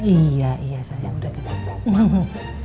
iya iya sayang udah ketemu